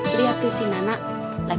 beri hati sih nana